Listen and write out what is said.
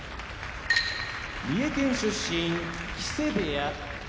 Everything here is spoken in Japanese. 三重県出身木瀬部屋